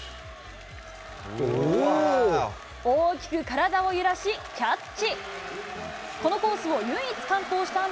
大きく体を揺らし、キャッチ。